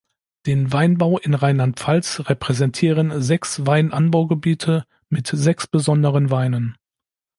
Den Weinbau in Rheinland-Pfalz repräsentieren sechs Weinanbaugebiete mit sechs besonderen Weinen.